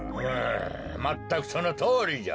まったくそのとおりじゃ。